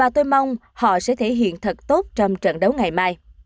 tôi mong họ sẽ thể hiện thật tốt trong trận đấu ngày mai